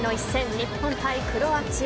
日本対クロアチア。